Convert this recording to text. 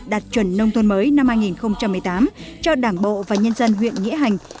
đạt chuẩn nông thôn mới năm hai nghìn một mươi tám cho đảng bộ và nhân dân huyện nghĩa hành